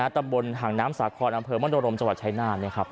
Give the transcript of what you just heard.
ตำบลหางน้ำสาคอนอำเภอมโนรมจังหวัดชายนาฏ